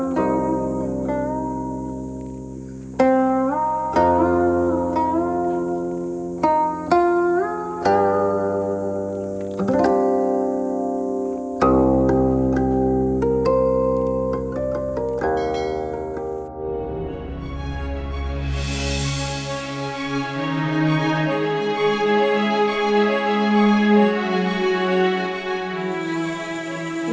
dengar suara alat musik